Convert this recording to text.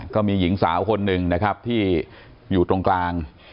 ก็มีหญิงสาวคนหนึ่งนะครับที่อยู่ตรงกลาง